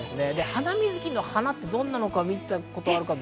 ハナミズキの花ってどんなのか見たことありますか？